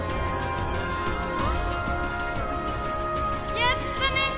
やったね！